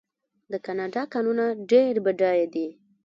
د کاناډا کانونه ډیر بډایه دي.